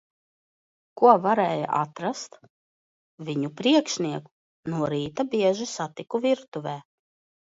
Ko varēja atrast. Viņu priekšnieku no rīta bieži satiku virtuvē.